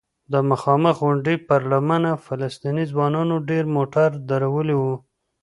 د مخامخ غونډۍ پر لمنه فلسطینی ځوانانو ډېر موټر درولي وو.